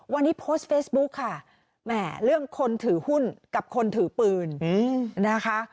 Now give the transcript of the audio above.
วันนี้โพสต์เฟซบุ๊คค่ะแหมเรื่องคนถือหุ้นกับคนถือปืนนะคะ